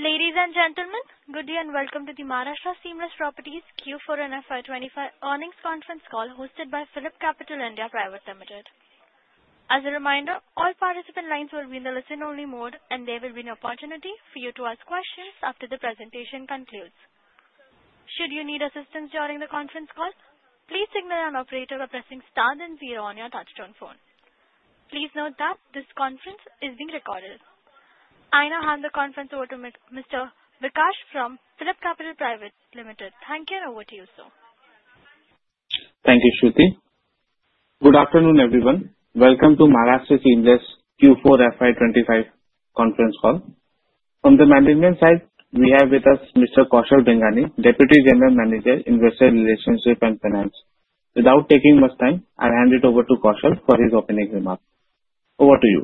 Ladies and gentlemen, good day and welcome to the Maharashtra seamless Limited Q4 and FY25 earnings conference call hosted by PhillipCapital (India) Pvt. Ltd. As a reminder, all participant lines will be in the listen-only mode, and there will be an opportunity for you to ask questions after the presentation concludes. Should you need assistance during the conference call, please signal an operator by pressing star then zero on your touch-tone phone. Please note that this conference is being recorded. I now hand the conference over to Mr. Vikash from PhillipCapital (India) Pvt. Ltd. Thank you, and over to you, sir. Thank you, Shruti. Good afternoon, everyone. Welcome to Maharashtra seamless Q4 FY25 conference call. From the management side, we have with us Mr. Kaushal Bengani, Deputy General Manager, Investor Relationship and Finance. Without taking much time, I'll hand it over to Kaushal for his opening remarks. Over to you.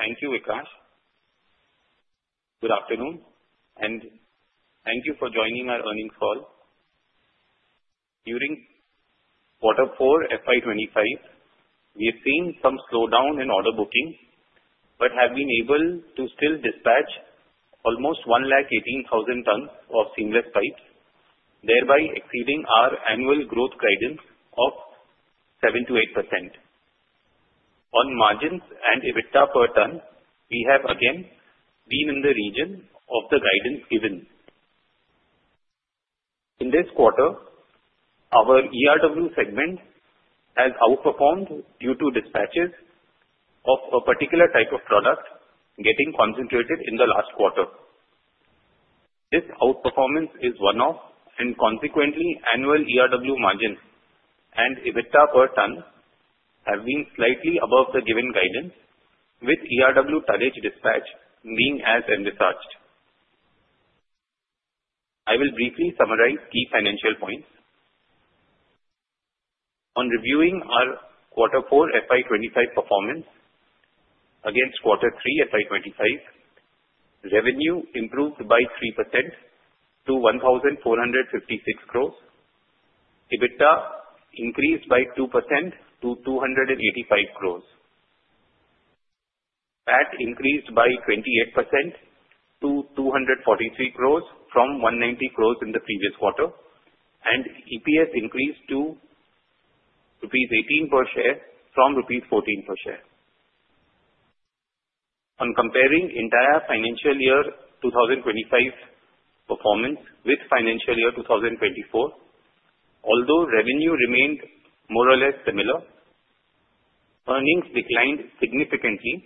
Thank you, Vikash. Good afternoon, and thank you for joining our earnings call. During Q4 FY25, we have seen some slowdown in order booking, but have been able to still dispatch almost 118,000 tons of seamless pipes, thereby exceeding our annual growth guidance of 7%-8%. On margins and EBITDA per ton, we have again been in the region of the guidance given. In this quarter, our ERW segment has outperformed due to dispatches of a particular type of product getting concentrated in the last quarter. This outperformance is one-off, and consequently, annual ERW margins and EBITDA per ton have been slightly above the given guidance, with ERW tonnage dispatch being as envisaged. I will briefly summarize key financial points. On reviewing our Q4 FY25 performance against Q3 FY25, revenue improved by 3% to 1,456 crores. EBITDA increased by 2% to 285 crores. PAT increased by 28% to 243 crores from 190 crores in the previous quarter, and EPS increased to Rs. 18 per share from Rs. 14 per share. On comparing the entire financial year 2025 performance with financial year 2024, although revenue remained more or less similar, earnings declined significantly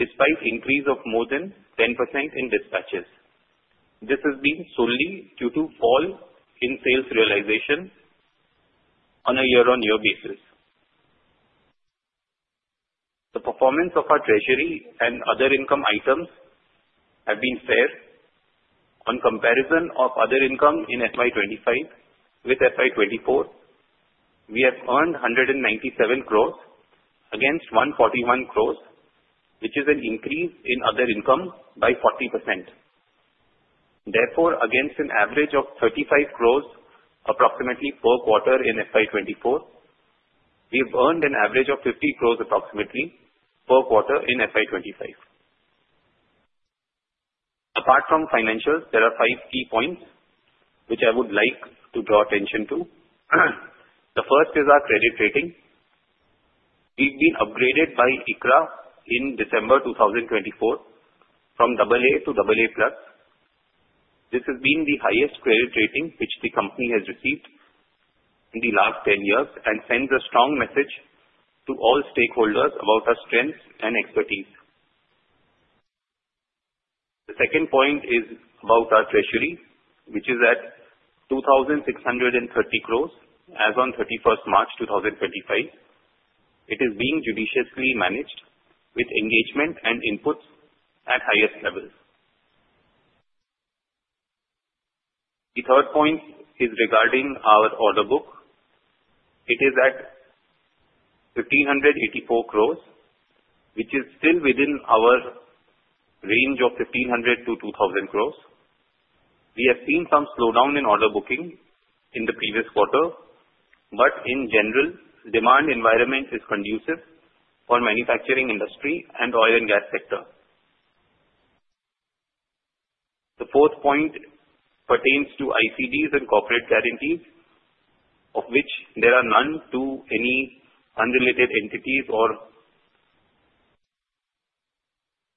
despite an increase of more than 10% in dispatches. This has been solely due to a fall in sales realization on a year-on-year basis. The performance of our treasury and other income items has been fair. On comparison of other income in FY25 with FY24, we have earned 197 crores against 141 crores, which is an increase in other income by 40%. Therefore, against an average of 35 crores approximately per quarter in FY24, we have earned an average of 50 crores approximately per quarter in FY25. Apart from financials, there are five key points which I would like to draw attention to. The first is our credit rating. We've been upgraded by ICRA in December 2024 from AA to AA Plus. This has been the highest credit rating which the company has received in the last 10 years and sends a strong message to all stakeholders about our strengths and expertise. The second point is about our treasury, which is at 2,630 crores as of 31 March 2025. It is being judiciously managed with engagement and inputs at the highest level. The third point is regarding our order book. It is at 1,584 crores, which is still within our range of 1,500-2,000 crores. We have seen some slowdown in order booking in the previous quarter, but in general, the demand environment is conducive for the manufacturing industry and the oil and gas sector. The fourth point pertains to ICDs and corporate guarantees, of which there are none to any unrelated entities or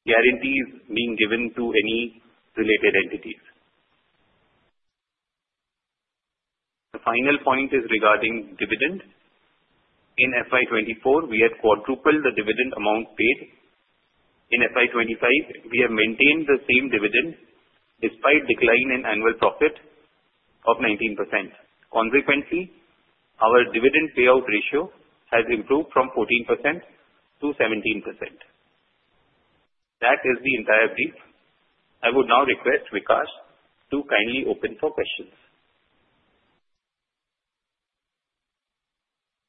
guarantees being given to any related entities. The final point is regarding dividend. In FY24, we have quadrupled the dividend amount paid. In FY25, we have maintained the same dividend despite a decline in annual profit of 19%. Consequently, our dividend payout ratio has improved from 14% to 17%. That is the entire brief. I would now request Vikash to kindly open for questions.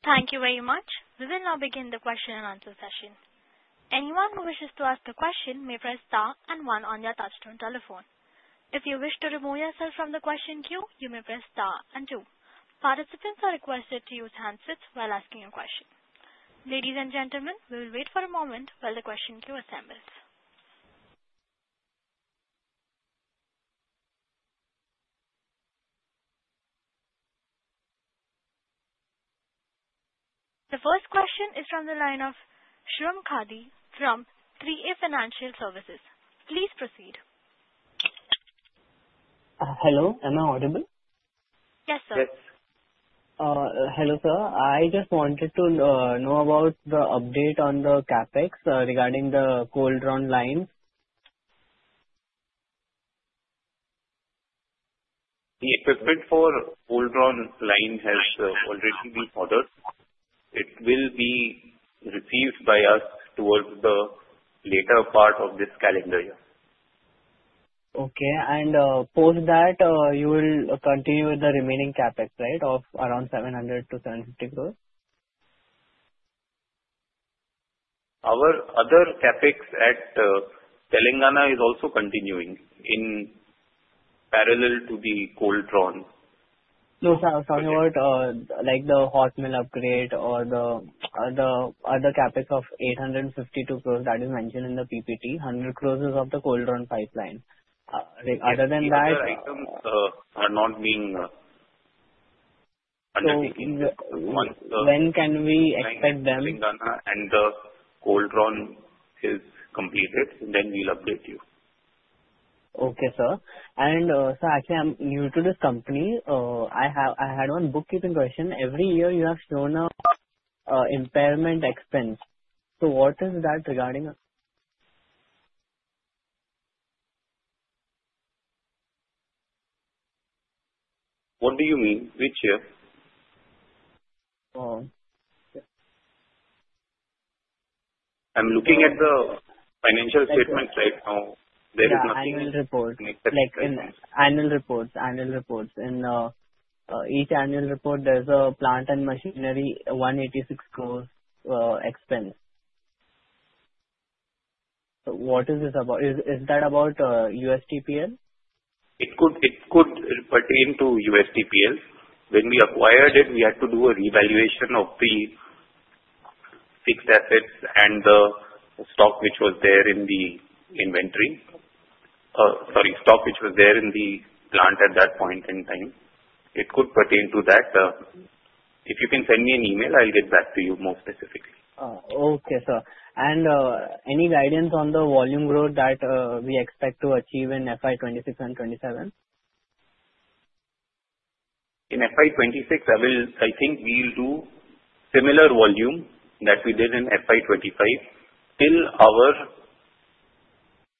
Thank you very much. We will now begin the question-and-answer session. Anyone who wishes to ask a question may press star and 1 on their touch-tone telephone. If you wish to remove yourself from the question queue, you may press star and 2. Participants are requested to use handsets while asking a question. Ladies and gentlemen, we will wait for a moment while the question queue assembles. The first question is from the line of Shriram Khadi from 3A Financial Services. Please proceed. Hello. Am I audible? Yes, sir. Yes. Hello, sir. I just wanted to know about the update on the CAPEX regarding the cold drawn line. The equipment for cold drawn line has already been ordered. It will be received by us towards the later part of this calendar year. Okay. And post that, you will continue with the remaining CapEx, right, of around 700-750 crores? Our other CapEx at Telangana is also continuing in parallel to the cold drawn. No, sir. I was talking about the hot mill upgrade or the other CapEx of 852 crores that is mentioned in the PPT, 100 crores of the cold drawn pipeline. Other than that. These items are not being undertaken. So when can we expect them? Telangana and the cold drawn is completed, then we'll update you. Okay, sir. And, sir, actually, I'm new to this company. I had one bookkeeping question. Every year, you have shown an impairment expense. So what is that regarding? What do you mean? Which year? Oh. I'm looking at the financial statements right now. There is nothing to make that change. Like annual reports. In each annual report, there's a plant and machinery 186 crores expense. So what is this about? Is that about USTPL? It could pertain to USTPL. When we acquired it, we had to do a revaluation of the fixed assets and the stock which was there in the inventory sorry, stock which was there in the plant at that point in time. It could pertain to that. If you can send me an email, I'll get back to you more specifically. Okay, sir. And any guidance on the volume growth that we expect to achieve in FY26 and FY27? In FY26, I think we'll do similar volume that we did in FY25 till our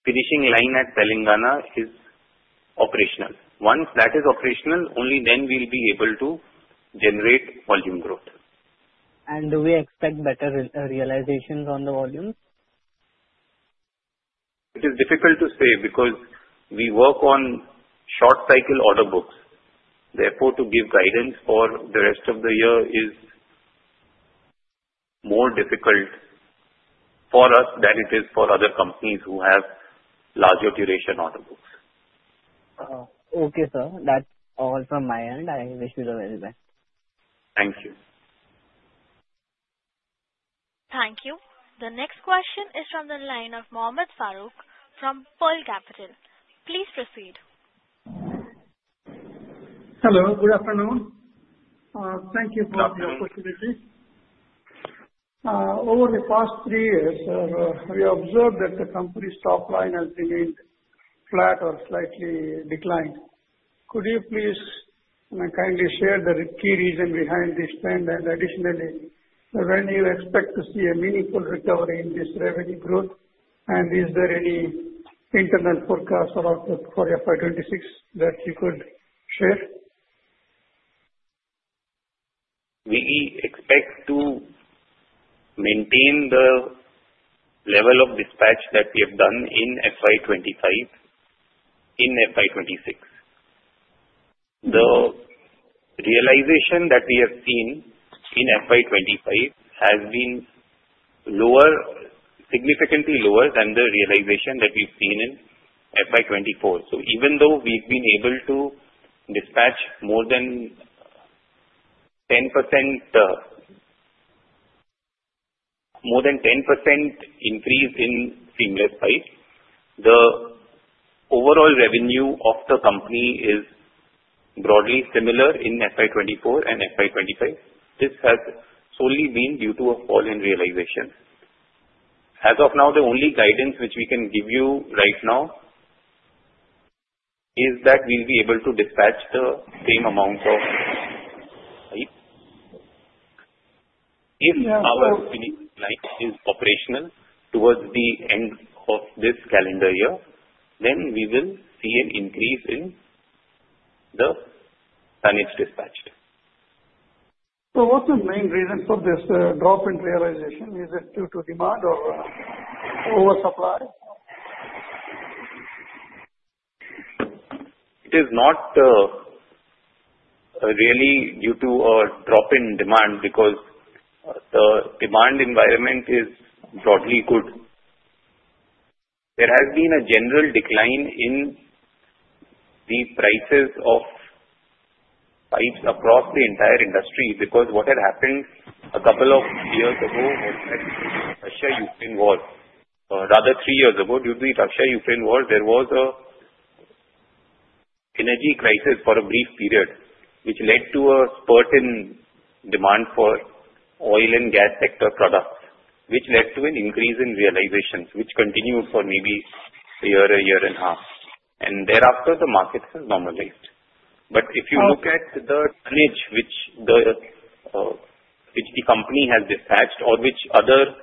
finishing line at Telangana is operational. Once that is operational, only then we'll be able to generate volume growth. Do we expect better realizations on the volume? It is difficult to say because we work on short-cycle order books. Therefore, to give guidance for the rest of the year is more difficult for us than it is for other companies who have larger duration order books. Okay, sir. That's all from my end. I wish you the very best. Thank you. Thank you. The next question is from the line of Mohammed Farooq from Pearl Capital. Please proceed. Hello. Good afternoon. Thank you for the opportunity. Over the past three years, we have observed that the company's top line has remained flat or slightly declined. Could you please kindly share the key reason behind this trend? And additionally, when do you expect to see a meaningful recovery in this revenue growth? And is there any internal forecast for FY26 that you could share? We expect to maintain the level of dispatch that we have done in FY25 in FY26. The realization that we have seen in FY25 has been significantly lower than the realization that we've seen in FY24. So even though we've been able to dispatch more than 10% increase in seamless pipes, the overall revenue of the company is broadly similar in FY24 and FY25. This has solely been due to a fall in realization. As of now, the only guidance which we can give you right now is that we'll be able to dispatch the same amount of pipes. If our finishing line is operational towards the end of this calendar year, then we will see an increase in the tonnage dispatch. What's the main reason for this drop in realization? Is it due to demand or oversupply? It is not really due to a drop in demand because the demand environment is broadly good. There has been a general decline in the prices of pipes across the entire industry because what had happened a couple of years ago was that the Russia-Ukraine war. Rather, three years ago, due to the Russia-Ukraine war, there was an energy crisis for a brief period, which led to a spurt in demand for oil and gas sector products, which led to an increase in realizations, which continued for maybe a year, a year and a half. And thereafter, the market has normalized. But if you look at the tonnage which the company has dispatched or which other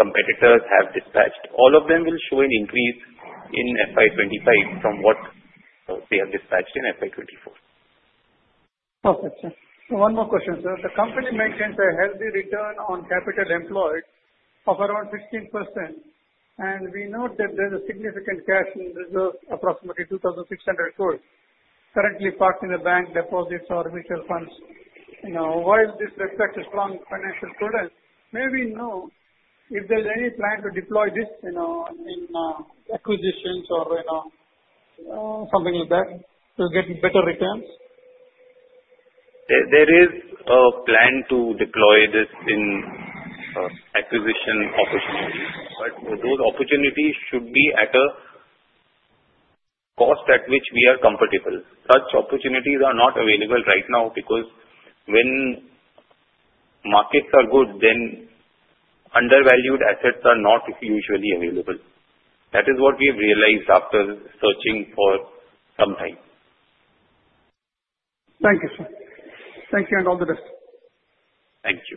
competitors have dispatched, all of them will show an increase in FY25 from what they have dispatched in FY24. Okay, sir. One more question, sir. The company maintains a healthy return on capital employed of around 16%. And we note that there is a significant cash in reserve, approximately 2,600 crores, currently parked in the bank deposits or mutual funds. While this reflects a strong financial prudence, may we know if there is any plan to deploy this in acquisitions or something like that to get better returns? There is a plan to deploy this in acquisition opportunities. But those opportunities should be at a cost at which we are comfortable. Such opportunities are not available right now because when markets are good, then undervalued assets are not usually available. That is what we've realized after searching for some time. Thank you, sir. Thank you and all the best. Thank you.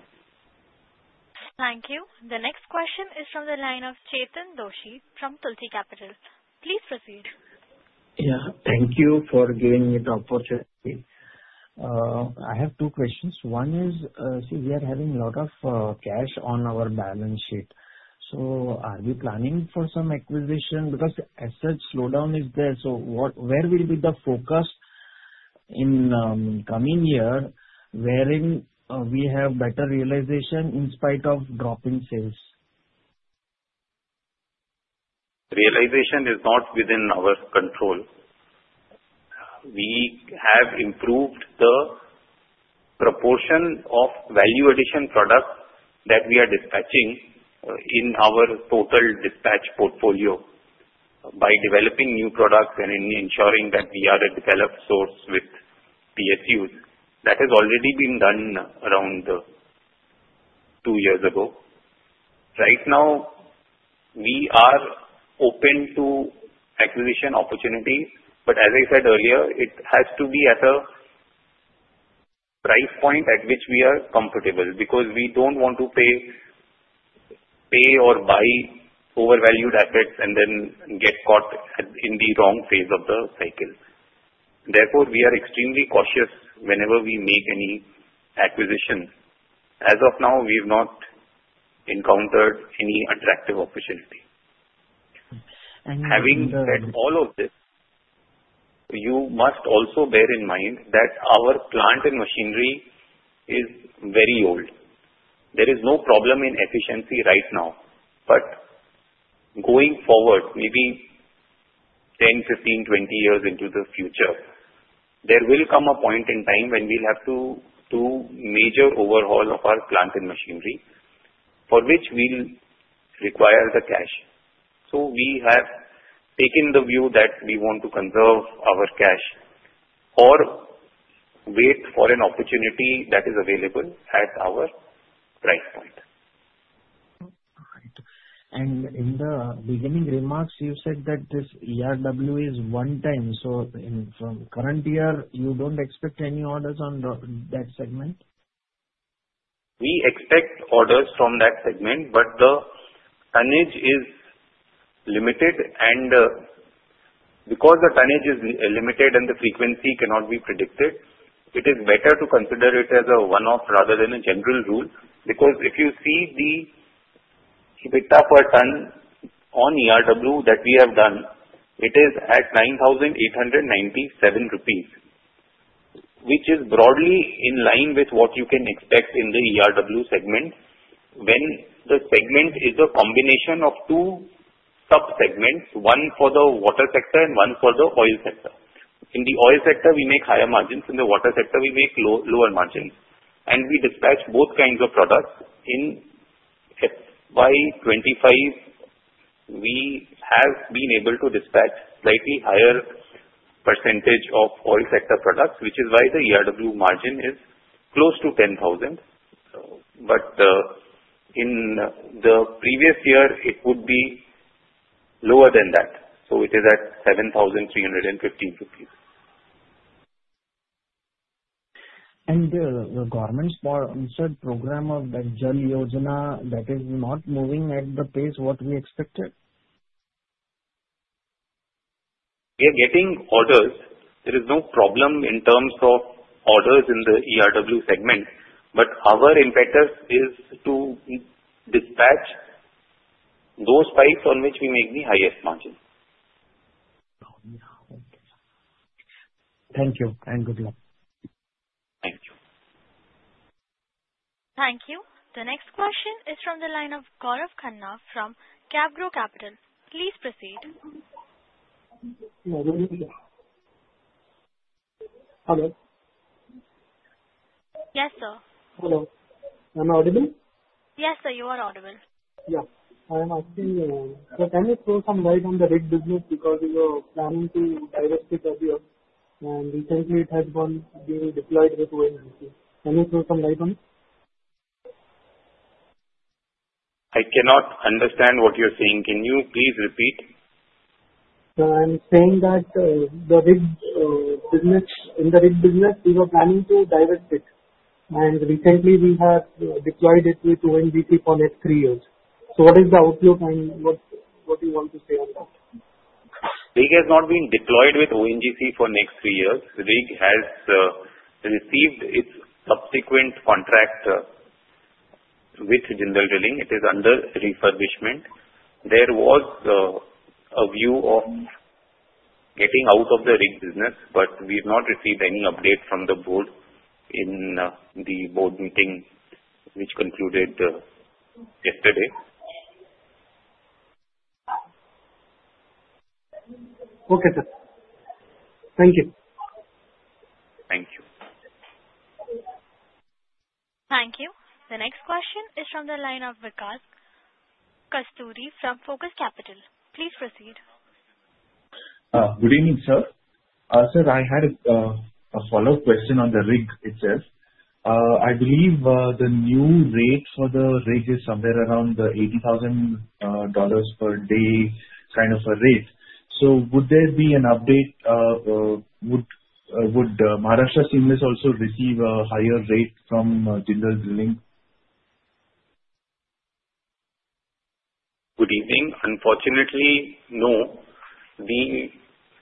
Thank you. The next question is from the line of Chetan Doshi from Tulsi Capital. Please proceed. Yeah. Thank you for giving me the opportunity. I have two questions. One is, see, we are having a lot of cash on our balance sheet. So are we planning for some acquisition? Because asset slowdown is there. So where will be the focus in the coming year wherein we have better realization in spite of dropping sales? Realization is not within our control. We have improved the proportion of value-addition products that we are dispatching in our total dispatch portfolio by developing new products and ensuring that we are a developed source with PSUs. That has already been done around two years ago. Right now, we are open to acquisition opportunities. But as I said earlier, it has to be at a price point at which we are comfortable because we don't want to pay or buy overvalued assets and then get caught in the wrong phase of the cycle. Therefore, we are extremely cautious whenever we make any acquisition. As of now, we have not encountered any attractive opportunity. Having said all of this, you must also bear in mind that our plant and machinery is very old. There is no problem in efficiency right now. But going forward, maybe 10, 15, 20 years into the future, there will come a point in time when we'll have to do major overhaul of our plant and machinery for which we'll require the cash. So we have taken the view that we want to conserve our cash or wait for an opportunity that is available at our price point. All right. And in the beginning remarks, you said that this ERW is one time. So from current year, you don't expect any orders on that segment? We expect orders from that segment, but the tonnage is limited, and because the tonnage is limited and the frequency cannot be predicted, it is better to consider it as a one-off rather than a general rule because if you see the EBITDA per ton on ERW that we have done, it is at 9,897 rupees, which is broadly in line with what you can expect in the ERW segment when the segment is a combination of two sub-segments, one for the water sector and one for the oil sector. In the oil sector, we make higher margins. In the water sector, we make lower margins, and we dispatch both kinds of products. In FY25, we have been able to dispatch slightly higher percentage of oil sector products, which is why the ERW margin is close to 10,000, but in the previous year, it would be lower than that. It is at 7,315 rupees. The government's program of that Jal Yojana, that is not moving at the pace what we expected? We are getting orders. There is no problem in terms of orders in the ERW segment. But our impetus is to dispatch those pipes on which we make the highest margin. Thank you and good luck. Thank you. Thank you. The next question is from the line of Gaurav Kannav from CapGro Capital. Please proceed. Hello. Yes, sir. Hello. Am I audible? Yes, sir. You are audible. Yeah. I am asking, can you throw some light on the big business because we were planning to divest it earlier, and recently it has been deployed with ONGC. Can you throw some light on it? I cannot understand what you're saying. Can you please repeat? I'm saying that the rig business we were planning to divest it, and recently we have deployed it with ONGC for next three years, so what is the outlook and what do you want to say on that? rig has not been deployed with ONGC for the next three years. The rig has received its subsequent contract with Jindal Drilling. It is under refurbishment. There was a view of getting out of the rig business, but we have not received any update from the board in the board meeting, which concluded yesterday. Okay, sir. Thank you. Thank you. Thank you. The next question is from the line of Vikas Kasturi from Focus Capital. Please proceed. Good evening, sir. Sir, I had a follow-up question on the Rig itself. I believe the new rate for the Rig is somewhere around the $80,000 per day kind of a rate. So would there be an update? Would Maharashtra Seamless also receive a higher rate from Jindal Drilling? Good evening. Unfortunately, no. The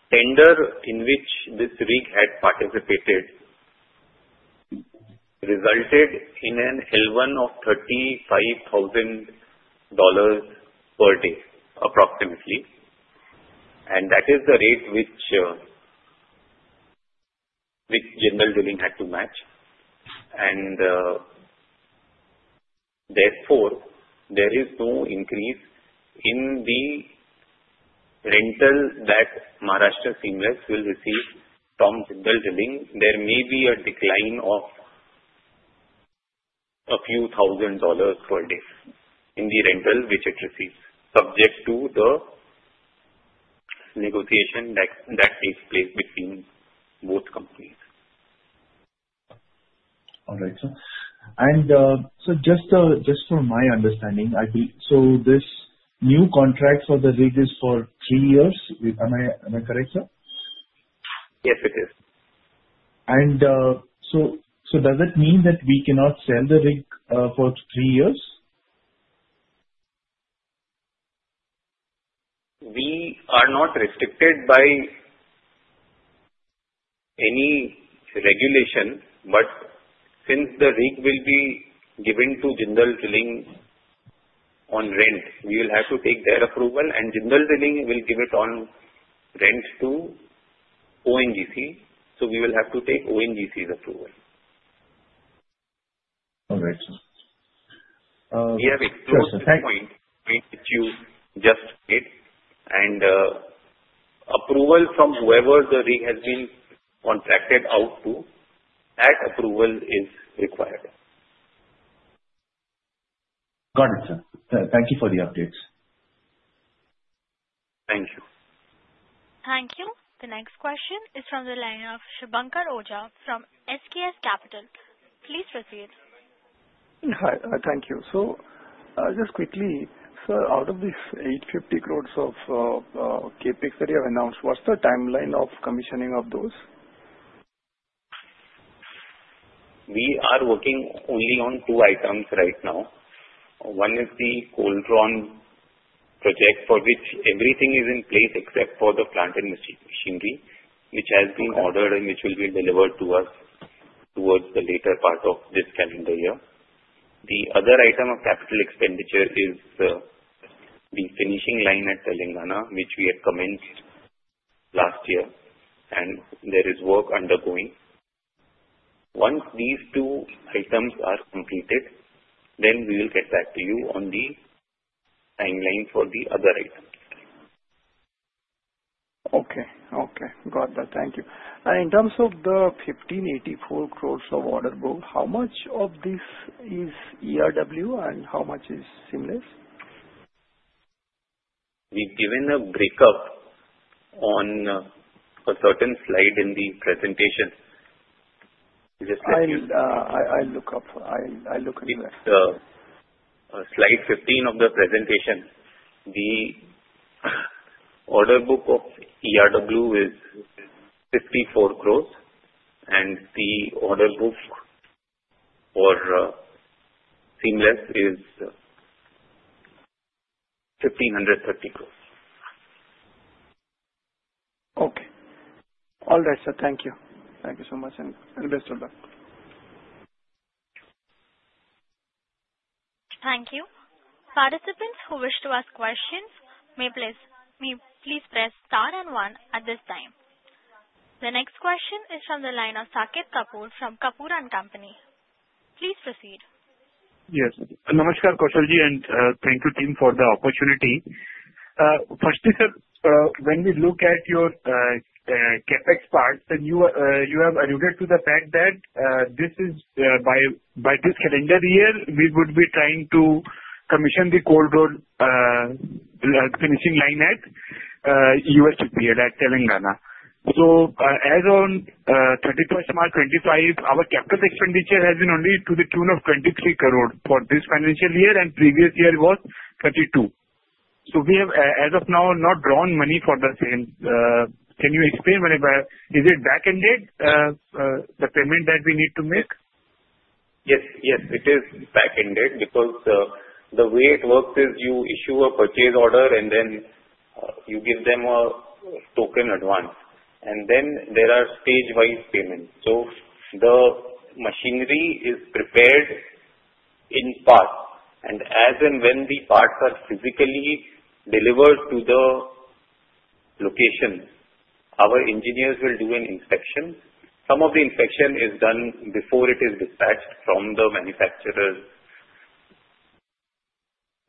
tender in which this Rig had participated resulted in an L1 of $35,000 per day, approximately, and that is the rate which Jindal Drilling had to match, and therefore, there is no increase in the rental that Maharashtra Seamless will receive from Jindal Drilling. There may be a decline of a few thousand dollars per day in the rental which it receives, subject to the negotiation that takes place between both companies. All right, sir. And so, just for my understanding, so this new contract for the Rig is for three years. Am I correct, sir? Yes, it is. And so does it mean that we cannot sell the rig for three years? We are not restricted by any regulation. But since the Rig will be given to Jindal Drilling on rent, we will have to take their approval. And Jindal Drilling will give it on rent to ONGC. So we will have to take ONGC's approval. All right, sir. We have expressed the point which you just made, and approval from whoever the rig has been contracted out to, that approval is required. Got it, sir. Thank you for the updates. Thank you. Thank you. The next question is from the line of Shubhankar Oja from SKS Capital. Please proceed. Thank you. So just quickly, sir, out of these 850 crores of capex that you have announced, what's the timeline of commissioning of those? We are working only on two items right now. One is the Cold Drawn project for which everything is in place except for the plant and machinery, which has been ordered and which will be delivered to us towards the later part of this calendar year. The other item of capital expenditure is the finishing line at Telangana, which we had commenced last year, and there is work undergoing. Once these two items are completed, then we will get back to you on the timeline for the other items. Okay. Okay. Got that. Thank you. And in terms of the 1,584 crores of order goal, how much of this is ERW and how much is Seamless? We've given a breakup on a certain slide in the presentation. Just let me. I'll look up. I'll look it back. It's slide 15 of the presentation. The order book of ERW is 54 crores, and the order book for Seamless is INR 1,530 crores. Okay. All right, sir. Thank you. Thank you so much. And best of luck. Thank you. Participants who wish to ask questions, may please press star and one at this time. The next question is from the line of Saket Kapoor from Kapoor & Company. Please proceed. Yes. Namaskar, Kaushalji, and thank you, team, for the opportunity. Firstly, sir, when we look at your CapEx parts, then you have alluded to the fact that this is by this calendar year, we would be trying to commission the Cold Drawn finishing line at USTPL at Telangana. So as of 22-Mar-2025, our capital expenditure has been only to the tune of 23 crores for this financial year, and previous year was 32. So we have, as of now, not drawn money for the same. Can you explain why? Is it back-ended, the payment that we need to make? Yes. Yes. It is back-ended because the way it works is you issue a purchase order, and then you give them a token advance. And then there are stage-wise payments. So the machinery is prepared in parts. And as and when the parts are physically delivered to the location, our engineers will do an inspection. Some of the inspection is done before it is dispatched from the manufacturer's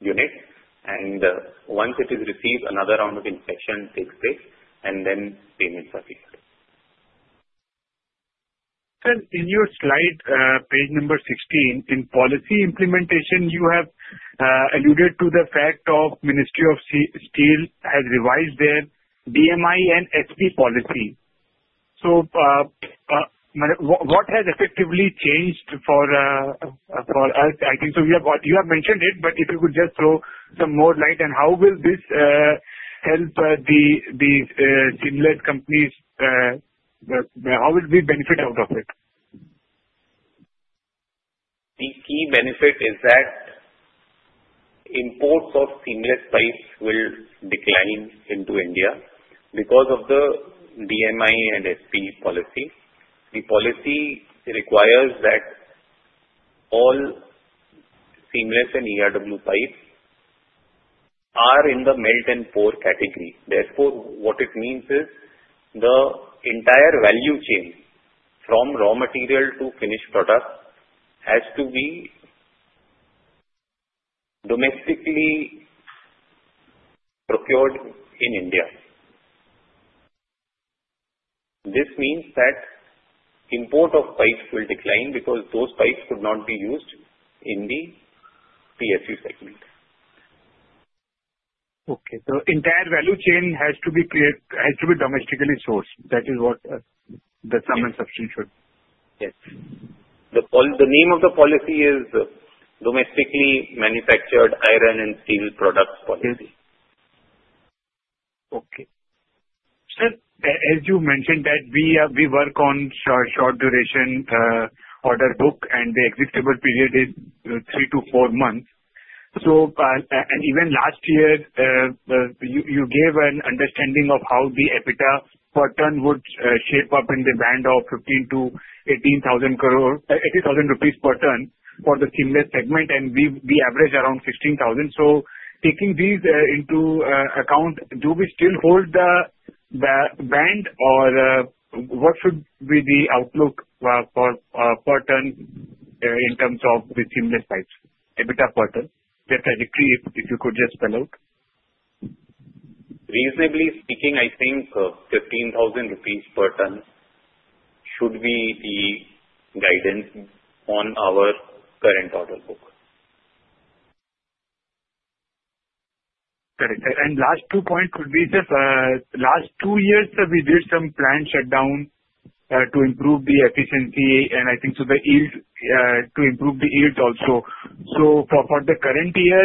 unit. And once it is received, another round of inspection takes place, and then payments are made. Sir, in your slide, page number 16, in policy implementation, you have alluded to the fact of the Ministry of Steel has revised their DMI&SP policy. So what has effectively changed for us? I think so you have mentioned it, but if you could just throw some more light on how will this help the Seamless companies, how will we benefit out of it? The key benefit is that imports of seamless pipes will decline into India because of the DMI&SP policy. The policy requires that all seamless and ERW pipes are in the melt and pour category. Therefore, what it means is the entire value chain from raw material to finished product has to be domestically procured in India. This means that import of pipes will decline because those pipes could not be used in the PSU segment. Okay. The entire value chain has to be domestically sourced. That is what the DMI&SP should. Yes. The name of the policy is Domestically Manufactured Iron and Steel Products Policy. Okay. Sir, as you mentioned that we work on short duration order book, and the executable period is three to four months. And even last year, you gave an understanding of how the EBITDA per ton would shape up in the band of 15,000-18,000 per ton for the Seamless segment, and we average around 16,000. So taking these into account, do we still hold the band, or what should be the outlook per ton in terms of the Seamless pipes, EBITDA per ton? The trajectory, if you could just spell out. Reasonably speaking, I think 15,000 rupees per ton should be the guidance on our current order book. Correct. And last two points could be just last two years, we did some plant shutdown to improve the efficiency, and I think so the yield to improve the yield also. So for the current year,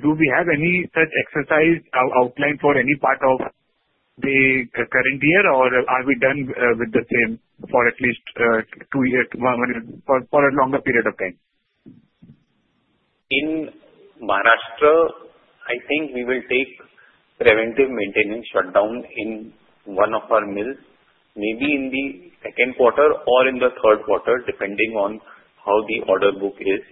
do we have any such exercise outlined for any part of the current year, or are we done with the same for at least two years for a longer period of time? In Maharashtra, I think we will take preventive maintenance shutdown in one of our mills, maybe in the second quarter or in the third quarter, depending on how the order book is.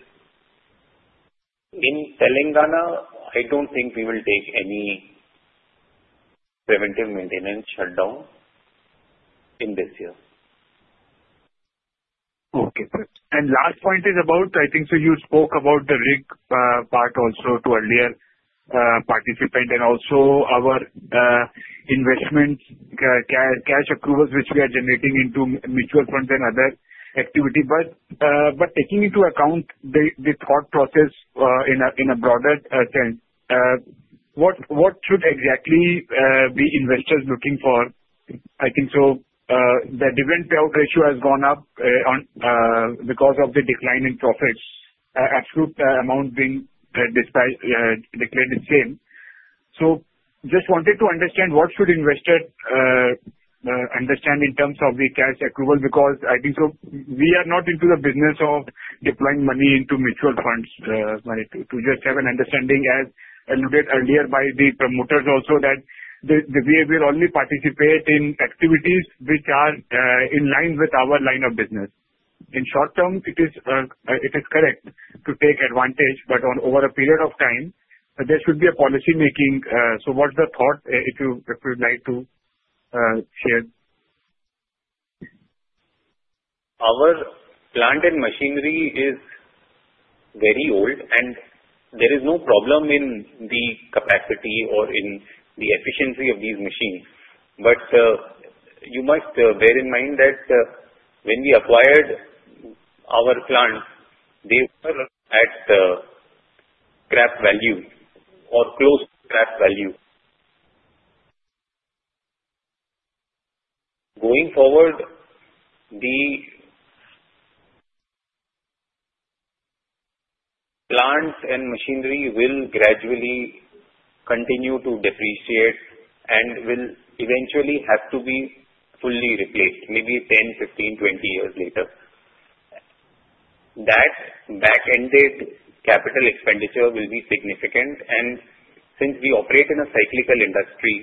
In Telangana, I don't think we will take any preventive maintenance shutdown in this year. Okay. And last point is about, I think so you spoke about the rig part also to earlier participant and also our investment cash accruals which we are generating into mutual funds and other activity. But taking into account the thought process in a broader sense, what should exactly be investors looking for? I think so the dividend payout ratio has gone up because of the decline in profits, absolute amount being declared the same. So just wanted to understand what should investors understand in terms of the cash accrual because I think so we are not into the business of deploying money into mutual funds. To just have an understanding, as alluded earlier by the promoters also, that we will only participate in activities which are in line with our line of business. In short term, it is correct to take advantage, but over a period of time, there should be a policy making. So what's the thought if you'd like to share? Our plant and machinery is very old, and there is no problem in the capacity or in the efficiency of these machines. But you must bear in mind that when we acquired our plants, they were at scrap value or close to scrap value. Going forward, the plants and machinery will gradually continue to depreciate and will eventually have to be fully replaced, maybe 10, 15, 20 years later. That back-ended capital expenditure will be significant. And since we operate in a cyclical industry,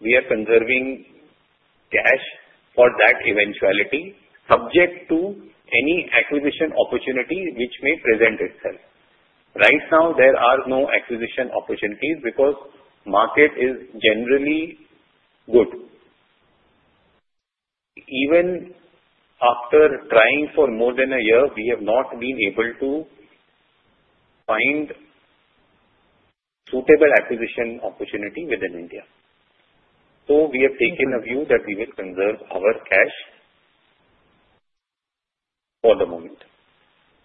we are conserving cash for that eventuality, subject to any acquisition opportunity which may present itself. Right now, there are no acquisition opportunities because the market is generally good. Even after trying for more than a year, we have not been able to find a suitable acquisition opportunity within India. So we have taken a view that we will conserve our cash for the moment.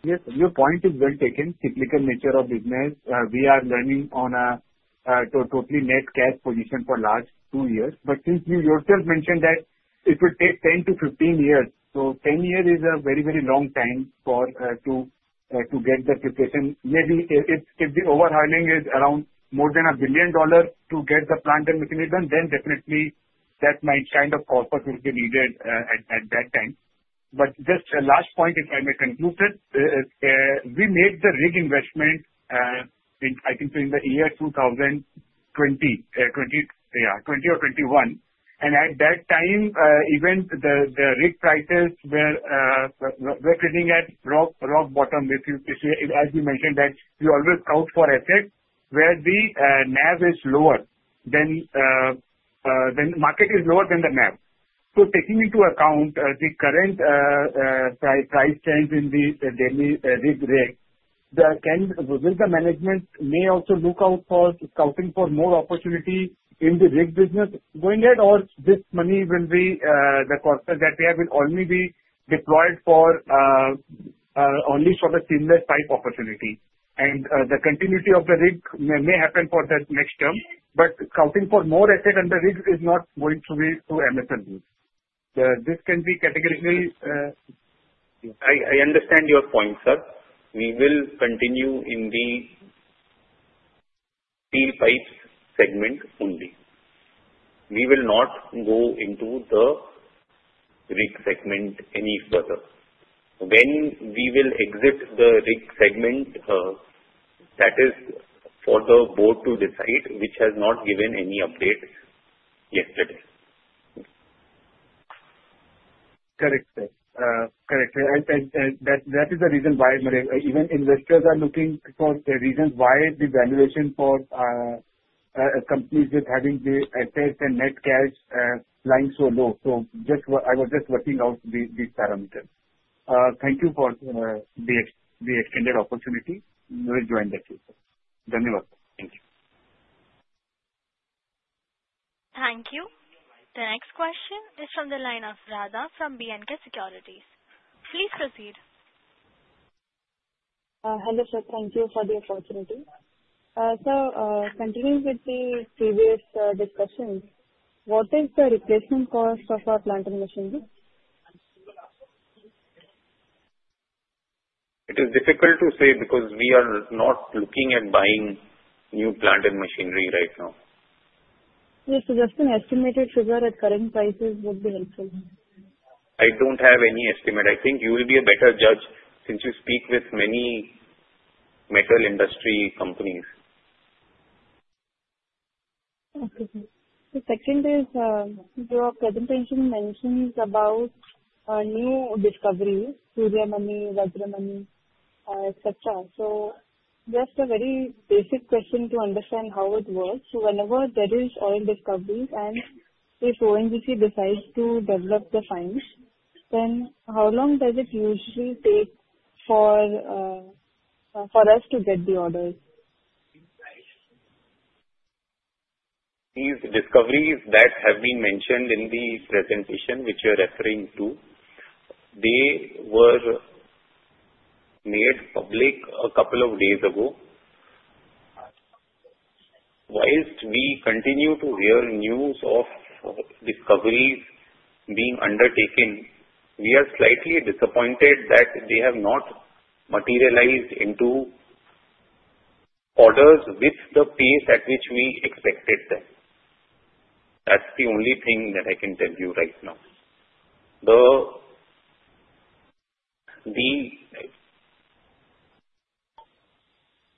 Yes, your point is well taken. Cyclical nature of business. We are running on a totally net cash position for the last two years. But since you yourself mentioned that it would take 10-15 years, so 10 years is a very, very long time to get the preparation. Maybe if the overhauling is around more than $1 billion to get the plant and machinery done, then definitely that might kind of cost what will be needed at that time. But just a last point, if I may conclude it, we made the rig investment, I think so in the year 2020, yeah, 2020 or 2021. And at that time, even the rig prices were sitting at rock bottom. As you mentioned that we always scout for assets where the NAV is lower than the market is lower than the NAV. So, taking into account the current price trends in the daily rig rate, will the management may also look out for scouting for more opportunity in the rig business going ahead, or this money will be the cost that we have will only be deployed for the Seamless type opportunity? And the continuity of the rig may happen for the next term, but scouting for more assets under rig is not going to be too amazing. This can be categorically. I understand your point, sir. We will continue in the steel pipes segment only. We will not go into the Rig segment any further. When we will exit the Rig segment, that is for the board to decide, which has not given any update yesterday. Correct. Correct, and that is the reason why even investors are looking for the reasons why the valuation for companies with having the assets and net cash lying so low, so I was just working out these parameters. Thank you for the extended opportunity. We'll join the team. धन्यवाद. Thank you. Thank you. The next question is from the line of Radha from BNK Securities. Please proceed. Hello, sir. Thank you for the opportunity. Sir, continuing with the previous discussion, what is the replacement cost of our plant and machinery? It is difficult to say because we are not looking at buying new plant and machinery right now. Yes, just an estimated figure at current prices would be helpful. I don't have any estimate. I think you will be a better judge since you speak with many metal industry companies. Okay. So the second is your presentation mentions about new discoveries, Ujaya, Mani Vajra etc. So just a very basic question to understand how it works. So whenever there is oil discovery and if ONGC decides to develop the fields, then how long does it usually take for us to get the orders? These discoveries that have been mentioned in the presentation which you're referring to, they were made public a couple of days ago. Whilst we continue to hear news of discoveries being undertaken, we are slightly disappointed that they have not materialized into orders with the pace at which we expected them. That's the only thing that I can tell you right now. The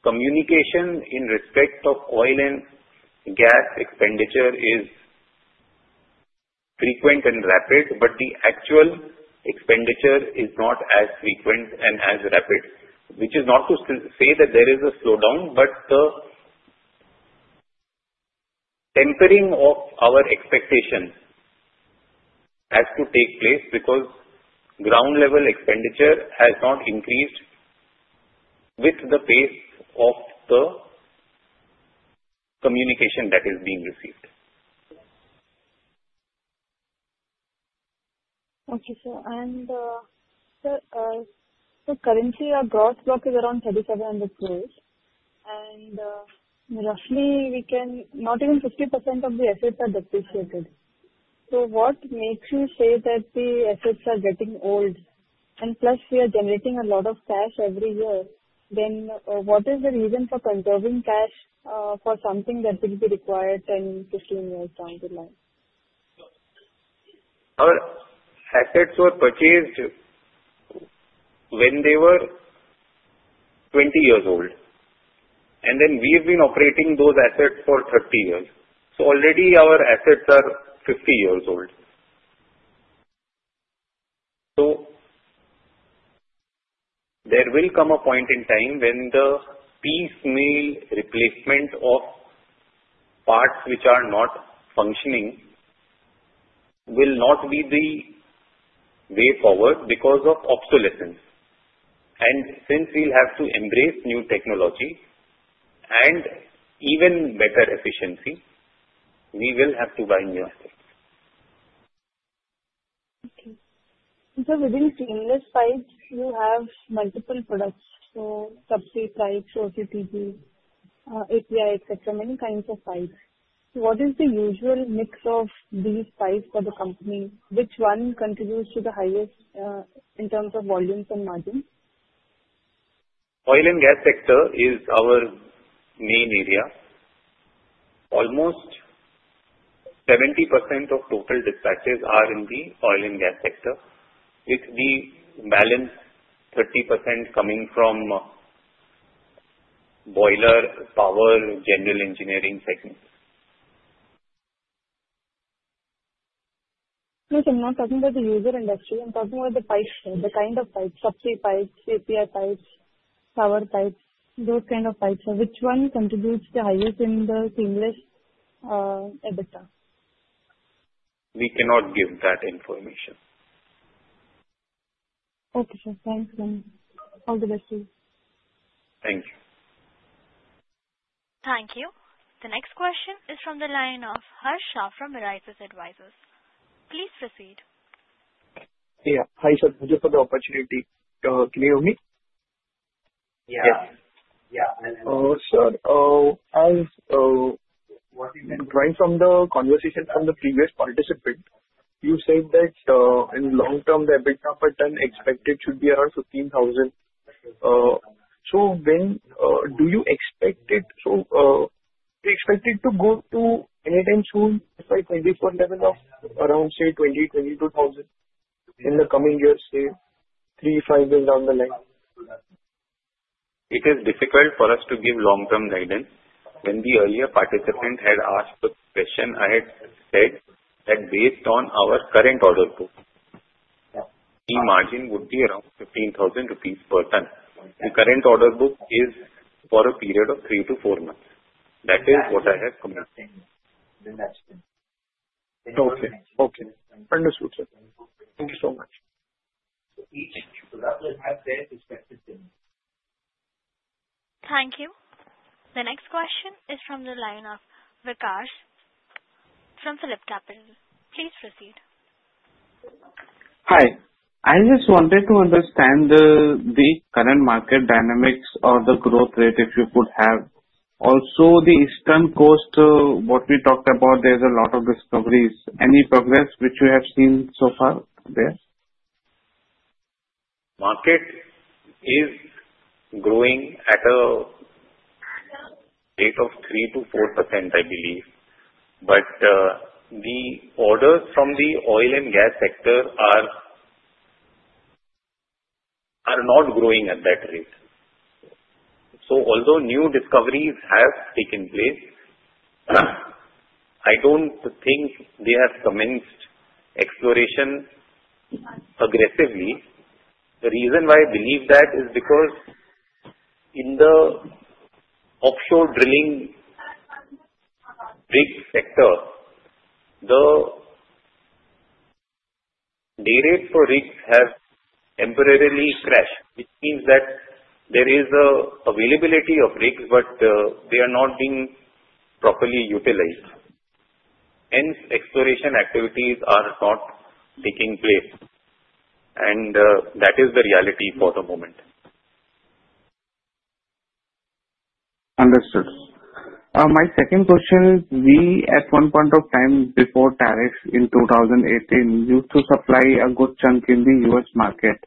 communication in respect of oil and gas expenditure is frequent and rapid, but the actual expenditure is not as frequent and as rapid, which is not to say that there is a slowdown, but the tempering of our expectation has to take place because ground-level expenditure has not increased with the pace of the communication that is being received. Okay, sir. And sir, currently our gross block is around 3,700 crores, and roughly not even 50% of the assets are depreciated. So what makes you say that the assets are getting old? And plus, we are generating a lot of cash every year. Then what is the reason for conserving cash for something that will be required 10, 15 years down the line? Our assets were purchased when they were 20 years old, and then we have been operating those assets for 30 years. So already our assets are 50 years old. So there will come a point in time when the piecemeal replacement of parts which are not functioning will not be the way forward because of obsolescence. And since we'll have to embrace new technology and even better efficiency, we will have to buy new assets. Okay. So within seamless pipes, you have multiple products, so sub-sea pipes, OCTG, API, etc., many kinds of pipes. What is the usual mix of these pipes for the company? Which one contributes to the highest in terms of volumes and margins? Oil and gas sector is our main area. Almost 70% of total dispatches are in the oil and gas sector, with the balance 30% coming from boiler, power, general engineering segments. Okay. I'm not talking about the user industry. I'm talking about the pipes, the kind of pipes, sub-sea pipes, API pipes, power pipes, those kind of pipes. Which one contributes the highest in the Seamless EBITDA? We cannot give that information. Okay, sir. Thanks, man. All the best to you. Thank you. Thank you. The next question is from the line of Harshah from Mirai Plus Advisors. Please proceed. Yeah. Hi, sir. Thank you for the opportunity. Can you hear me? Yeah. Yeah. Oh, sir. As you can draw from the conversation from the previous participant, you said that in the long term, the EBITDA per ton expected should be around 15,000. So when do you expect it? So do you expect it to go to anytime soon, by 24 level of around, say, 20,000-22,000 in the coming years, say, three, five years down the line? It is difficult for us to give long-term guidance. When the earlier participant had asked the question, I had said that based on our current order book, the margin would be around 15,000 rupees per ton. The current order book is for a period of three to four months. That is what I have communicated. Okay. Okay. Understood, sir. Thank you so much. Thank you. The next question is from the line of Vikas from Phillip Capital. Please proceed. Hi. I just wanted to understand the current market dynamics or the growth rate, if you could have. Also, the Eastern Coast, what we talked about, there's a lot of discoveries. Any progress which you have seen so far there? Market is growing at a rate of 3%-4%, I believe. But the orders from the oil and gas sector are not growing at that rate. So although new discoveries have taken place, I don't think they have commenced exploration aggressively. The reason why I believe that is because in the offshore drilling rig sector, the day rate for rigs has temporarily crashed, which means that there is availability of rigs, but they are not being properly utilized. Hence, exploration activities are not taking place. And that is the reality for the moment. Understood. My second question is, we at one point of time before tariffs in 2018 used to supply a good chunk in the U.S. market.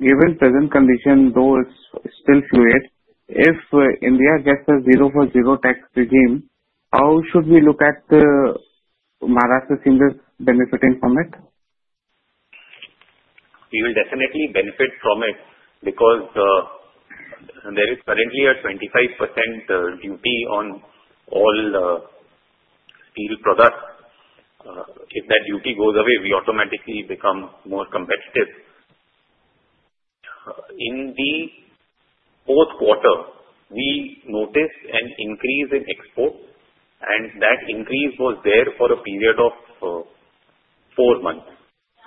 Given present condition, though it's still fluid, if India gets a zero for zero tax regime, how should we look at the Maharashtra Seamless benefiting from it? We will definitely benefit from it because there is currently a 25% duty on all steel products. If that duty goes away, we automatically become more competitive. In the fourth quarter, we noticed an increase in exports, and that increase was there for a period of four months.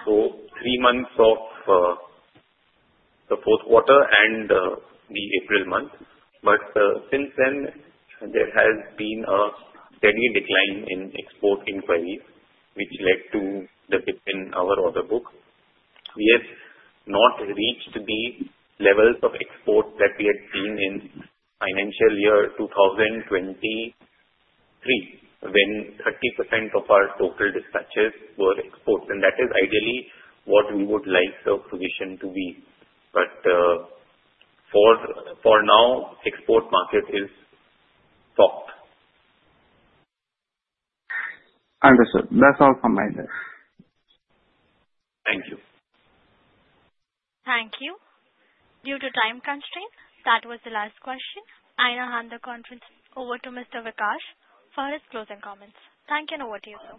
So three months of the fourth quarter and the April month. But since then, there has been a steady decline in export inquiries, which led to the dip in our order book. We have not reached the levels of exports that we had seen in financial year 2023 when 30% of our total dispatches were exports. And that is ideally what we would like the position to be. But for now, the export market is stopped. Understood. That's all from my side. Thank you. Thank you. Due to time constraints, that was the last question. I now hand the conference over to Mr. Vikas for his closing comments. Thank you and over to you, sir.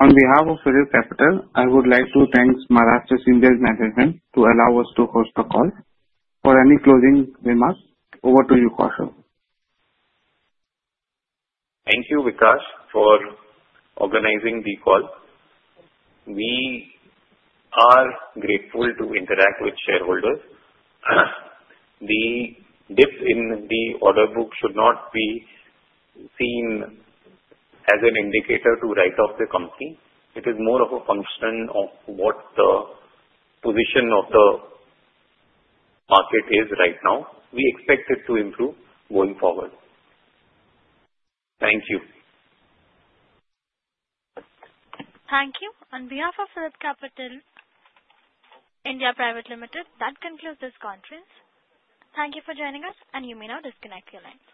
On behalf of Phillip Capital, I would like to thank Maharashtra Seamless Management to allow us to host the call. For any closing remarks, over to you, Kaushal. Thank you, Vikas, for organizing the call. We are grateful to interact with shareholders. The dip in the order book should not be seen as an indicator to write off the company. It is more of a function of what the position of the market is right now. We expect it to improve going forward. Thank you. Thank you. On behalf of PhillipCapital (India) Pvt. Ltd., that concludes this conference. Thank you for joining us, and you may now disconnect your lines.